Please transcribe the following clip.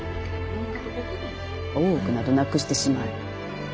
大奥などなくしてしまえ。